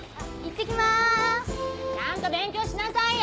ちゃんと勉強しなさいよ！